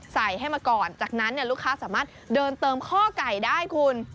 ใส่ให้มาก่อนจากนั้นลูกค้าสามารถเดินเติมข้อไก่ได้คุณ